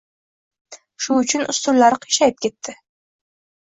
Shu uchun ustunlari qiyshayib ketdi.